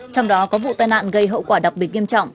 trong đó có vụ tai nạn gây hậu quả đặc biệt nghiêm trọng